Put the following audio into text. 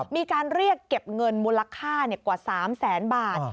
มีการเรียกเก็บเงินมูลค่ากว่า๓แสนบาท